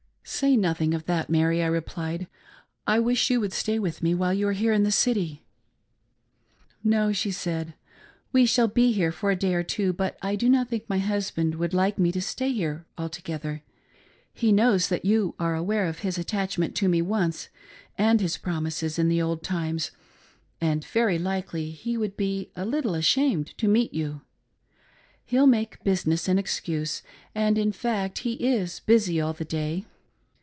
" Say nothing of that, Mary ;" I replied. " I wish you would stay with me while you are in the City." " No," she said, " We shall be here for a day or two, but I do not think my husband would like me to stay here altogether. He knows that you are aware of his attachment to me once and his promises in the old times, and very likely he would be a little ashamed to meet you. He'll make business an excuse, and in fact he is busy all the day.